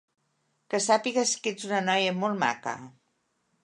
Que sàpigues que ets una noia molt maca.